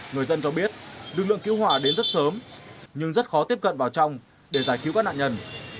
người dân cho biết lực lượng cứu hỏa đến rất sớm nhưng rất khó tiếp cận vào trong để giải cứu các nạn nhân